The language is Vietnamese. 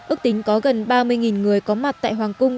ước tính có gần ba mươi người có mặt tại hoàng cung